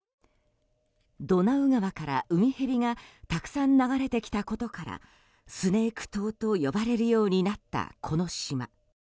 ドナウ川からウミヘビがたくさん流れてきたことからスネーク島と呼ばれるようになったこの島。